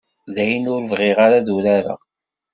Dayen, ur bɣiɣ ara ad urareɣ.